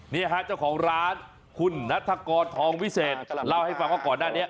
นี่ฮะเจ้าของร้านคุณนัฐกรทองวิเศษเล่าให้ฟังว่าก่อนหน้านี้